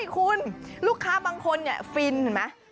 คุณลูกค้าบางคนฟินเห็นไหม